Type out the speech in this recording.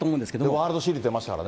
ワールドシリーズ出ましたからね。